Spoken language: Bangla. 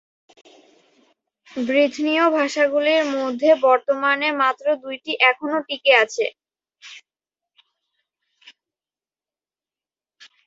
ব্রিথনীয় ভাষাগুলির মধ্যে বর্তমানে মাত্র দুইটি এখনও টিকে আছে।